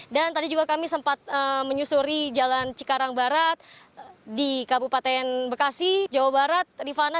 dan tadi juga kami sempat menyusuri jalan cikarang barat di kabupaten bekasi jawa barat rifana